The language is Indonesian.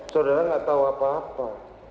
saudara nggak tahu apa apa